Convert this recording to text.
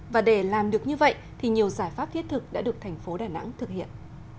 và để làm được như vậy nhiều giải pháp viết thực đã được thành phố đà nẵng thực hiện